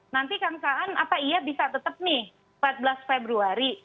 nanti kang saan apa iya bisa tetap nih empat belas februari